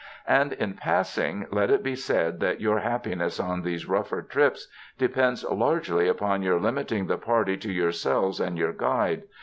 And in passing, let it be said that your happiness on these rougher trips depends largely upon your limiting the party to yourselves and your guide.